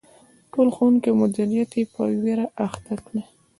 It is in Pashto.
ټول ښوونکي او مدیریت یې په ویر اخته کړي.